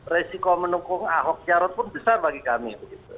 resiko mendukung ahok jarot pun besar bagi kami